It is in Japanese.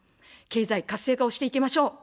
経済活性化をしていきましょう。